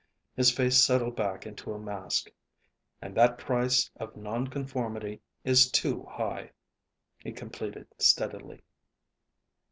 His face settled back into a mask. "And that price of non conformity is too high," he completed steadily.